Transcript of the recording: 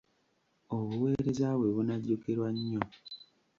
Obuweereza bwe bunajjukirwa nnyo.